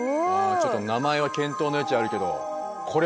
ちょっと名前は検討の余地あるけどこれは欲しい！